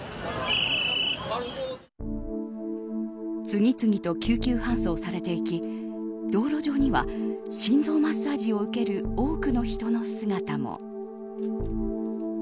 次々と救急搬送されていき道路上には心臓マッサージを受ける多くの人の姿も。